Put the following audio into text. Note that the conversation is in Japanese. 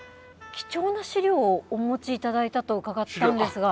貴重な資料をお持ちいただいたと伺ったんですが。